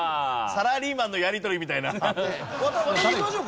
サラリーマンのやり取りみたいな。